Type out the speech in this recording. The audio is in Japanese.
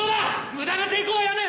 無駄な抵抗はやめ。